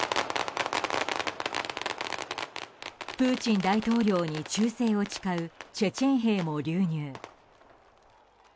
プーチン大統領に忠誠を誓うチェチェン兵も流入。